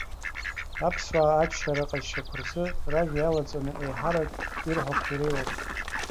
Аԥсуаа аччара аҟазшьақәа рзы ражәа иалаҵаны еиҳарак ирҳәақәо иреиуоуп.